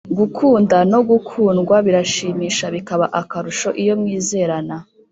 Gukunda no gukundwa birashimisha bikaba akarusho iyo mwizerana